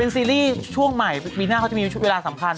ซีรีส์ช่วงใหม่ปีหน้าเขาจะมีชุดเวลาสำคัญ